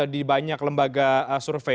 di banyak lembaga survei